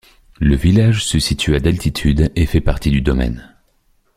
Le village se situe à d'altitude et fait partie du domaine.